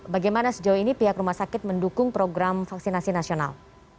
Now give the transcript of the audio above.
bagaimana sejauh ini pihak rumah sakit mendukung program vaksinasi nasional